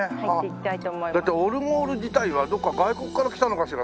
大体オルゴール自体はどこか外国から来たのかしら？